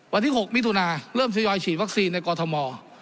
วันที่๖มิถุนาเริ่มทยอยฉีดวัคซีนในกรทม